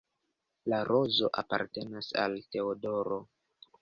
La rozo apartenas al Teodoro.